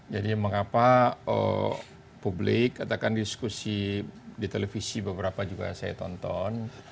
jadi mengapa publik katakan diskusi di televisi beberapa juga saya tonton